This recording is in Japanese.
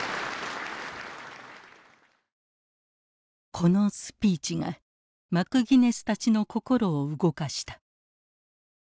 このスピーチがマクギネスたちの心を動かした。